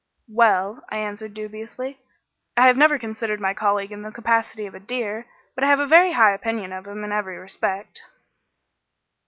"Well," I answered dubiously, "I have never considered my colleague in the capacity of a dear, but I have a very high opinion of him in every respect."